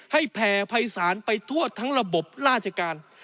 แผ่ภัยศาลไปทั่วทั้งระบบราชการ